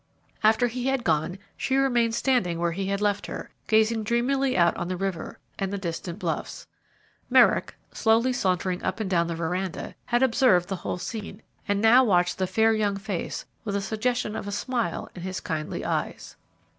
After he had gone she remained standing where he had left her, gazing dreamily out on the river and the distant bluffs. Merrick, slowly sauntering up and down the veranda, had observed the whole scene, and now watched the fair young face with a suggestion of a smile in his kindly eyes.